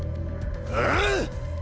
ああ！？